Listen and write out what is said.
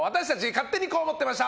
勝手にこう思ってました！